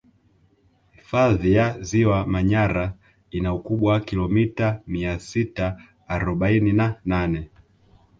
hfadhi ya ziwa manyara ina ukubwa wa kilomita mia sita arobaini na nane